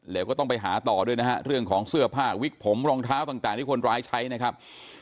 แล้วก็ต้องไปหาต่อด้วยนะฮะเรื่องของเสื้อผ้าวิกผมรองเท้าต่างที่คนร้ายใช้นะครับ